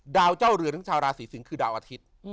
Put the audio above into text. ดาวเจ้าเรือนของชาวลาสีสิงค์คือดาวอาทิตย์